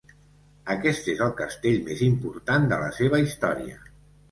Aquest és el castell més important de la seva història.